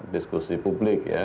diskusi publik ya